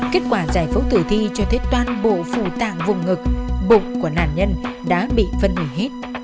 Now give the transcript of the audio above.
kết quả giải phẫu tử thi cho thấy toàn bộ phủ tạng vùng ngực bụng của nạn nhân đã bị phân hủy hết